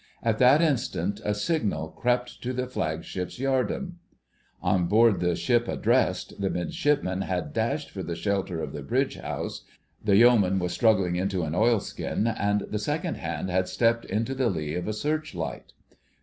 At that instant a signal crept to the flagship's yard arm. On board the ship addressed the Midshipman had dashed for the shelter of the bridge house, the Yeoman was struggling into an oilskin, and the Second Hand had stepped into the lee of a search light.